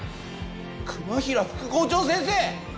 熊平副校長先生！